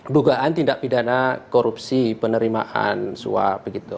dugaan tindak pidana korupsi penerimaan suap